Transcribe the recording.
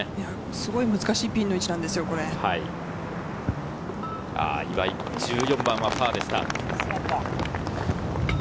難しいピンの位置なんで岩井、１４番はパーでした。